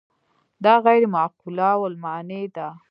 دا غیر معقولة المعنی ده.